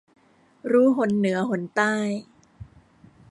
รู้หนเหนือหนใต้